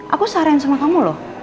aku saran sama kamu loh